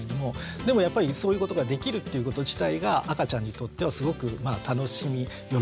でもやっぱりそういうことができるっていうこと自体が赤ちゃんにとってはすごくまあ楽しみ喜びなんですね。